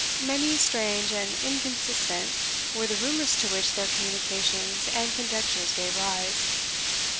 Many, strange, and inconsistent, were the rumours to which their communications and conjectures gave rise.